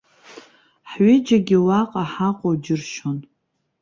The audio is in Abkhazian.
Ҳҩыџьегьы уаҟа ҳаҟоу џьыршьон.